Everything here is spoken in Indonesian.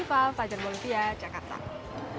sampai jumpa di video selanjutnya